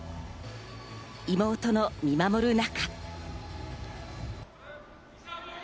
妹が見守る中。